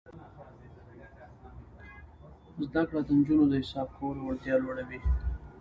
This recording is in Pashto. زده کړه د نجونو د حساب کولو وړتیا لوړوي.